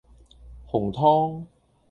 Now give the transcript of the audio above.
紅湯